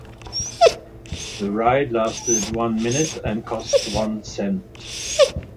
The ride lasted one minute and cost one cent.